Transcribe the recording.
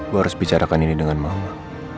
gue harus bicarakan ini dengan mau